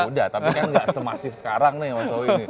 udah tapi kan gak semasif sekarang nih mas howie